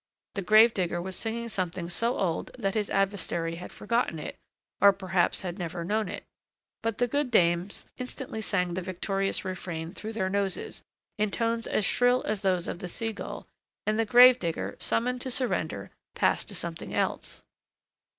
The grave digger was singing something so old that his adversary had forgotten it, or perhaps had never known it; but the good dames instantly sang the victorious refrain through their noses, in tones as shrill as those of the sea gull; and the grave digger, summoned to surrender, passed to something else.